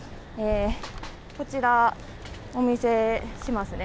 こちら、お見せしますね。